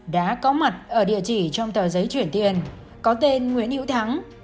đã có mặt ở địa chỉ trong tờ giấy chuyển tiền có tên nguyễn hữu thắng